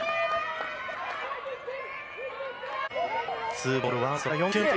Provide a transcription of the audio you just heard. ツーボールツーストライク。